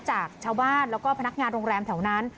จากชาวบ้านแล้วก็พนักงานโรงแรมแถวนั้น